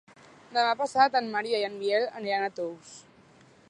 Demà passat en Maria i en Biel aniran a Tous.